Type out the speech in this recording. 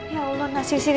ya allah nasi siri